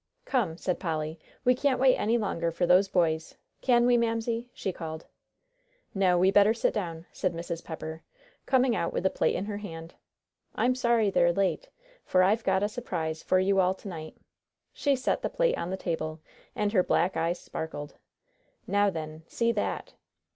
"Come," said Polly, "we can't wait any longer for those boys. Can we, Mamsie?" she called. "No, we better sit down," said Mrs. Pepper, coming out with a plate in her hand. "I'm sorry they're late, for I've got a surprise for you all to night." She set the plate on the table, and her black eyes sparkled. "Now, then, see that!"